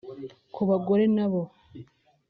Ku bagore nabo